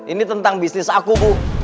ini tentang bisnis aku bu